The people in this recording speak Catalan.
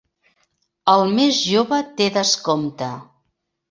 El més jove té descompte.